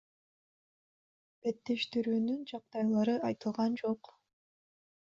Беттештирүүнүн жагдайлары айтылган жок.